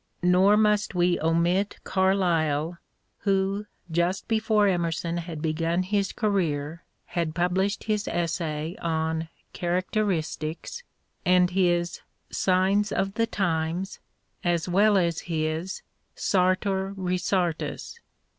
Nor must we omit Carlyle, who just before Emerson had begun his career had published his essay on " Characteristics " and his " Signs of the Times " as well as his " Sartor Resartus."